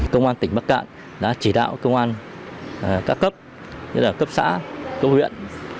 công an tỉnh bắc cạn đã chỉ đạo công an các cấp như là cấp xã cấp huyện